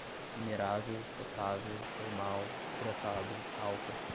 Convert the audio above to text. minerável, potável, termal, hidratado, álcool